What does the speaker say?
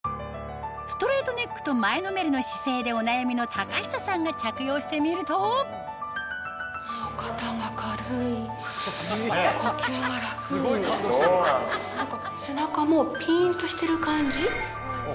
ストレートネックと前のめりの姿勢でお悩みの高下さんが着用してみると背中もピンとしてる感じ。